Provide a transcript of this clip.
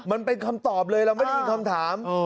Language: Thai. มันเป็นคำตอบเลยเราไม่ได้ยินคำถาม